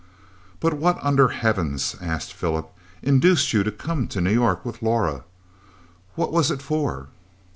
"But what under heavens," asked Philip, "induced you to come to New York with Laura! What was it for?"